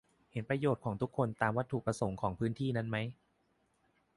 เห็นแก่ประโยชน์ของทุกคนตามวัตถุประสงค์ของพื้นที่นั้นไหม